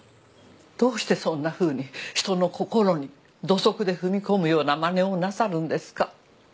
どうしてそんなふうに人の心に土足で踏み込むようなまねをなさるんですか？